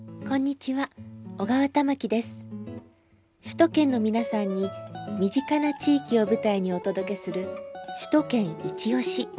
首都圏の皆さんに身近な地域を舞台にお届けする「首都圏いちオシ！」。